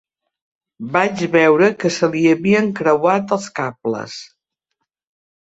Vaig veure que se li havien creuat els cables.